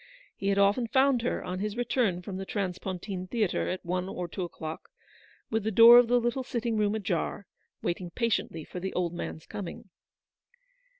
He had often found her, on his return from the transpontine theatre at one or two o'clock, with the door of the little sitting room ajar, waiting patiently for the old man's coming.